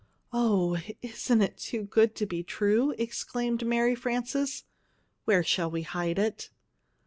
"Oh, isn't it too good to be true!" exclaimed Mary Frances. "Where shall we hide it?"